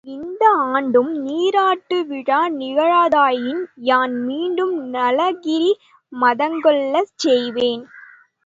இந்த ஆண்டும் நீராட்டுவிழா நிகழாதாயின் யான் மீண்டும் நளகிரி மதங்கொள்ளச் செய்வேன்.